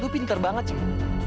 lu pinter banget sih